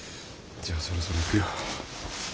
じゃあそろそろ行くよ。